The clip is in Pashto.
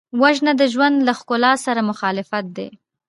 وژنه د ژوند له ښکلا سره مخالفت دی